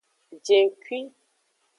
Jengkui.